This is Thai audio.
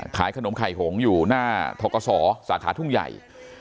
ขายขนมไข่หงอยู่หน้าทกศสาขาทุ่งใหญ่